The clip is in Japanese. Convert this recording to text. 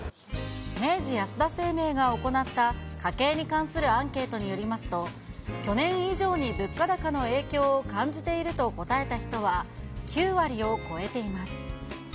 明治安田生命が行った家計に関するアンケートによりますと、去年以上に物価高の影響を感じていると答えた人は９割を超えています。